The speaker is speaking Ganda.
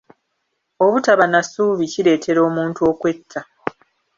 Obutaba na ssuubi kireetera omuntu okwetta.